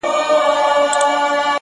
چي په تبر دي چپه په یوه آن کي؛